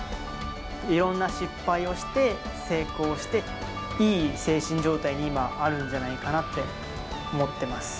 いろんな失敗をして、成功して、いい精神状態に今あるんじゃないかなって思ってます。